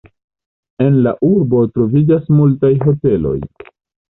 En la urbo troviĝas multaj hoteloj.